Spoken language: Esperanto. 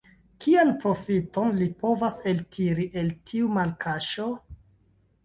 Kian profiton li povas eltiri el tiu malkaŝo?